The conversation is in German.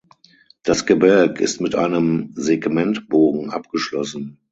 Das Gebälk ist mit einem Segmentbogen abgeschlossen.